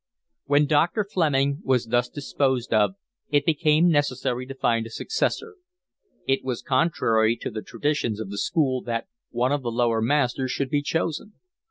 When Dr. Fleming was thus disposed of it became necessary to find a successor. It was contrary to the traditions of the school that one of the lower masters should be chosen.